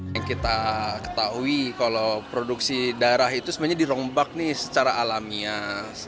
yang kita ketahui kalau produksi darah itu sebenarnya dirombak nih secara alamiah